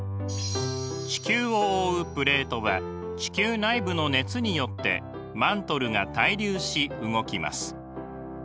地球を覆うプレートは地球内部の熱によってマントルが対流し動きます。